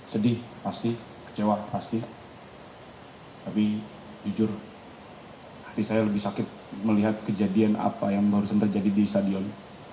sedih pasti kecewa pasti tapi jujur hati saya lebih sakit melihat kejadian apa yang barusan terjadi di stadion